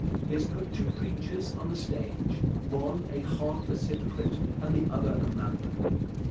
He has put two preachers on the stage, one a heartless hypocrite and the other a madman.